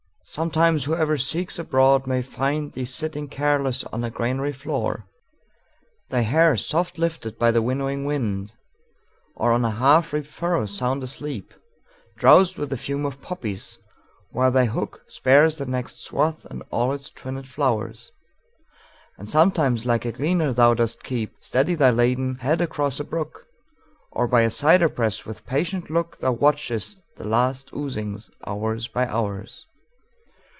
Sometimes whoever seeks abroad may findThee sitting careless on a granary floor, Thy hair soft lifted by the winnowing wind; Or on a half reap'd furrow sound asleep, Drowsed with the fume of poppies, while thy hookSpares the next swath and all its twinèd flowers:And sometimes like a gleaner thou dost keepSteady thy laden head across a brook; Or by a cyder press, with patient look, Thou watchest the last oozings, hours by hours.